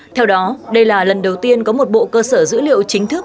theo đó đây là lần đầu tiên có một bộ cơ sở dữ liệu chính thức